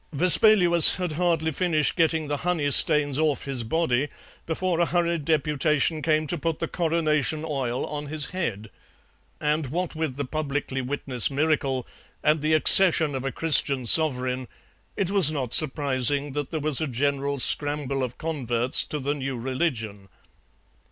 Vespaluus had hardly finished getting the honey stains off his body before a hurried deputation came to put the coronation oil on his head. And what with the publicly witnessed miracle and the accession of a Christian sovereign, it was not surprising that there was a general scramble of converts to the new religion.